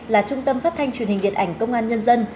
là trung tâm phát thanh truyền hình điện ảnh công an nhân dân